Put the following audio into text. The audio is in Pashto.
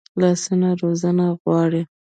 لاسونه روزنه غواړي